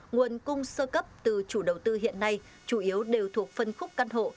nguồn cung sơ cấp từ chủ đầu tư hiện nay chủ yếu đều thuộc phân khúc căn hộ